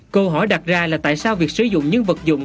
câu hỏi đặt ra là tại sao việc sử dụng những vật dụng